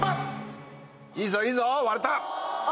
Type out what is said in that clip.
いいぞいいぞ割れたああ